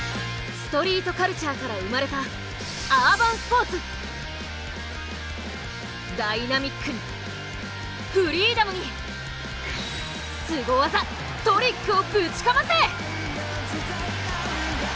ストリートカルチャーから生まれたダイナミックにフリーダムにすご技「トリック」をぶちかませ！